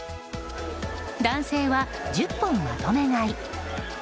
男性は、１０本まとめ買い。